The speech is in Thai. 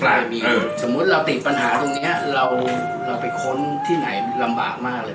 สมมุติเราติดปัญหาตรงนี้เราไปค้นที่ไหนลำบากมากเลย